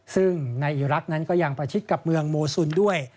ซึ่งในอีรักษ์นั้นก็ยังประชิดกับเมืองโมซุนด้วย